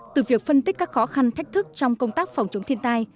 từ việc phân tích các khó khăn thách thức trong công tác phòng chống thiên tai